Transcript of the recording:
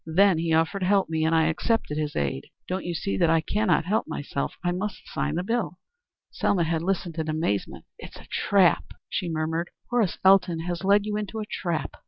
Then he offered to help me, and I accepted his aid. Don't you see that I cannot help myself? That I must sign the bill?" Selma had listened in amazement. "It's a trap," she murmured. "Horace Elton has led you into a trap."